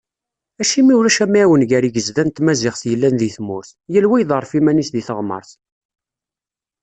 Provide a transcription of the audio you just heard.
Acimi ulac amɛiwen gar yigezda n tmaziɣt yellan di tmurt, yal wa iḍerref iman-is di teɣmart?